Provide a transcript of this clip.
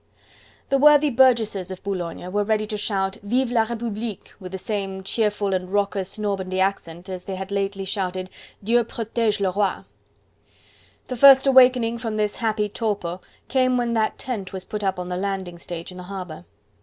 The worthy burgesses of Boulogne were ready to shout: "Vive la Republique!" with the same cheerful and raucous Normandy accent as they had lately shouted "Dieu protege le Roi!" The first awakening from this happy torpor came when that tent was put up on the landing stage in the harbour.